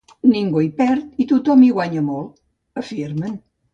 Ningú hi perd i tothom hi guanya molt, afirmen.